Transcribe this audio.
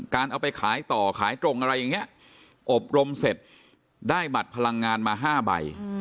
เอาไปขายต่อขายตรงอะไรอย่างนี้อบรมเสร็จได้บัตรพลังงานมา๕ใบ